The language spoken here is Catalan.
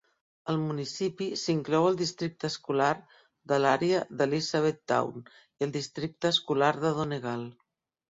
El municipi s'inclou al districte escolar de l'àrea de Elizabethtown i al districte escolar de Donegal.